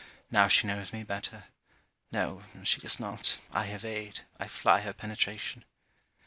Now she knows me better. No, she does not, I evade, I fly her penetration.